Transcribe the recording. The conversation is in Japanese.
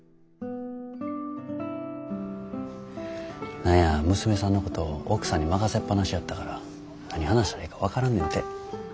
何や娘さんのこと奥さんに任せっぱなしやったから何話したらええか分からんねんて。